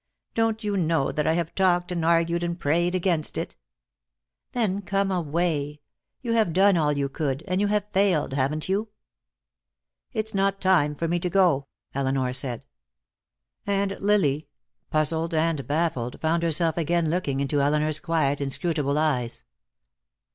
Don't you know that I have talked and argued and prayed, against it?" "Then come away. You have done all you could, and you have failed, haven't you?" "It is not time for me to go," Elinor said. And Lily, puzzled and baffled, found herself again looking into Elinor's quiet, inscrutable eyes.